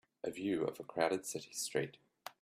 A view of a crowded city street.